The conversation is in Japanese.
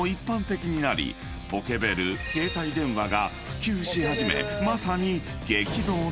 ［ポケベル携帯電話が普及し始めまさに］